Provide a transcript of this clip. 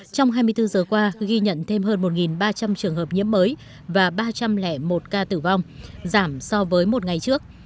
trong hai mươi bốn giờ qua ghi nhận thêm hơn một ba trăm linh trường hợp nhiễm mới và ba trăm linh một ca tử vong giảm so với một ngày trước